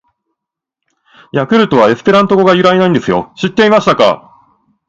「ヤクルト」はエスペラント語が由来なんですよ！知ってましたか！！